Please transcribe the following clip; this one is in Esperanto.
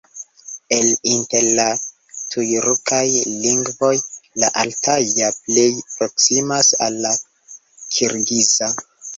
El inter la tjurkaj lingvoj la altaja plej proksimas al la kirgiza.